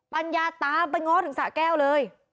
ปัญญาตามไปง้อถึงสะแก้วเลย